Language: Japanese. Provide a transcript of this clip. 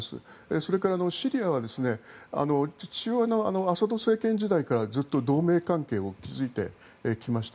それからシリアはアサド政権時代からずっと同盟関係を築いてきました。